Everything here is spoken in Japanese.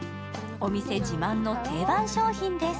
お店自慢の定番商品です。